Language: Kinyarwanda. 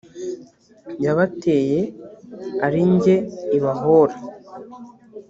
yabateye ari jye ibahora